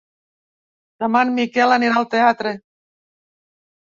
Demà en Miquel anirà al teatre.